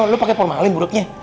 lo pake formalin budaknya